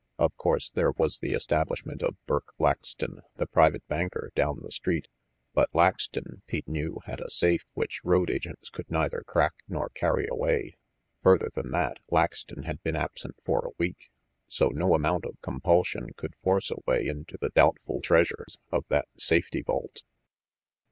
Of course, there was the establishment of Burk Laxton, the private banker, down the street; but Laxton, Pete knew, had a safe which road agents could neither crack nor carry away. Further than that, Laxton had been absent for a week, so no amount of compulsion could force a way into the doubtful treasures of that safety vault.